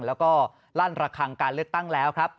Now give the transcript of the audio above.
แล้วก็ลั่นระคังการเลือกตั้งแล้วครับ